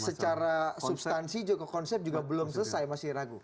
secara substansi juga konsep juga belum selesai masih ragu